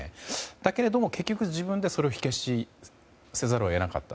だけれども結局、自分で火消しせざるを得なかった。